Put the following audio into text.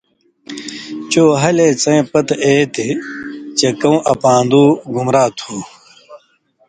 چو ہلے څَیں پتہۡ اے تھی چے کؤں اپان٘دُو (گمراہ) تھُو۔